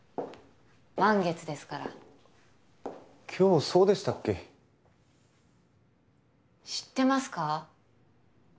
満月ですから今日そうでしたっけ知ってますか？